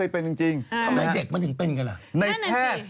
พบเด็กซิฟิลิส